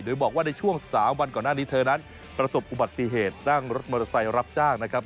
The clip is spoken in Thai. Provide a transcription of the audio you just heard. โดยบอกว่าในช่วง๓วันก่อนหน้านี้เธอนั้นประสบอุบัติเหตุนั่งรถมอเตอร์ไซค์รับจ้างนะครับ